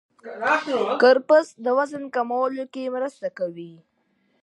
کرفس د وزن کمولو کې مرسته کوي.